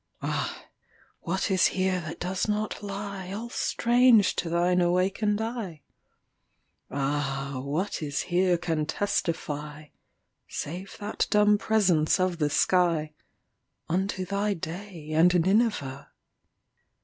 Ah! what is here that does not lieAll strange to thine awakened eye? Ah! what is here can testify(Save that dumb presence of the sky)Unto thy day and Nineveh?